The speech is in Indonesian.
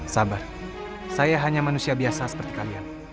sabar saya hanya manusia biasa seperti kalian